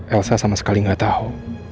elsa sama sekali gak tau